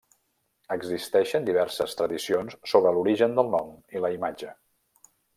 Existeixen diverses tradicions sobre l'origen del nom i la imatge.